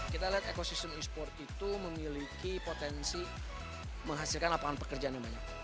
kita lihat ekosistem e sports itu memiliki potensi menghasilkan lapangan pekerjaan yang banyak